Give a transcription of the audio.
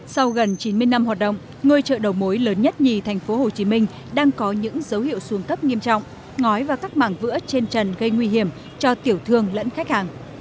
sau gần chín mươi năm hoạt động ngôi chợ đầu mối lớn nhất nhì tp hcm đang có những dấu hiệu xuống cấp nghiêm trọng ngói và các mảng vữa trên trần gây nguy hiểm cho tiểu thương lẫn khách hàng